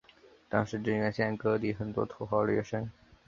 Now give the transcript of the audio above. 当时真源县辖地很多土豪劣绅。